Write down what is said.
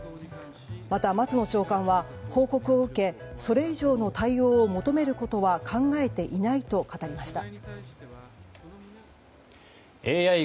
また松野長官は報告を受けそれ以上の対応を求めることは考えていないと語りました。